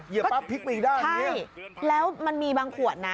เหยียบปั๊บพลิกไปอีกด้านอย่างนี้ใช่แล้วมันมีบางขวดนะ